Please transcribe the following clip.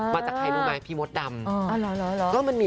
มาจากใครรู้ไหมพี่มดดำ